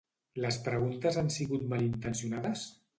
Les preguntes han sigut malintencionades?